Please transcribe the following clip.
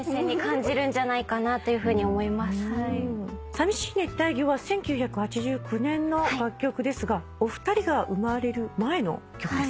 『淋しい熱帯魚』は１９８９年の楽曲ですがお二人が生まれる前の曲ですか？